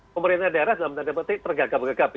pemerintah daerah dalam tanda petik tergagap gagapi